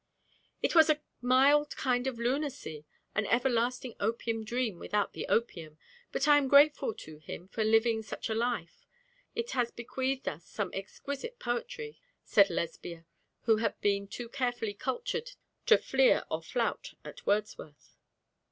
'It was a mild kind of lunacy, an everlasting opium dream without the opium; but I am grateful to him for living such a life, since it has bequeathed us some exquisite poetry,' said Lesbia, who had been too carefully cultured to fleer or flout at Wordsworth.